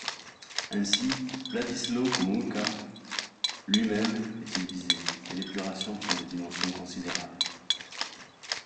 Ainsi Władysław Gomułka lui-même est-il visé mais l'épuration prend des dimensions considérables.